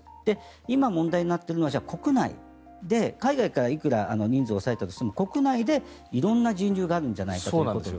今、問題になっているのは国内で海外からいくら人数を抑えたとしても国内で色んな人流があるんじゃないかということで。